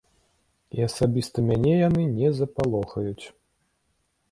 І асабіста мяне яны не запалохаюць.